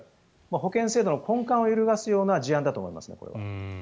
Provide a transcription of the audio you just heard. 保険制度の根幹を揺るがす事案だと思います。